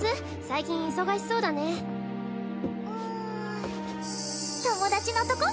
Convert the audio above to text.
最近忙しそうだねうん友達のとこ？